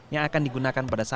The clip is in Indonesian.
yang akan digunakan pada hari ini